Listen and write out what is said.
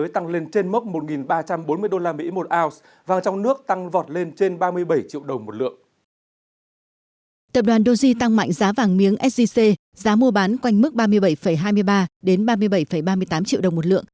tập đoàn doji tăng mạnh giá vàng miếng sgc giá mua bán quanh mức ba mươi bảy hai mươi ba ba mươi bảy ba mươi tám triệu đồng một lượng